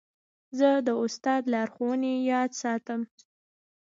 زه د استاد لارښوونې یاد ساتم.